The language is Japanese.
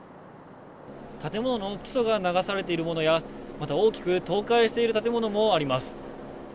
建物の基礎が流されているものや、また大きく倒壊している建物もあります。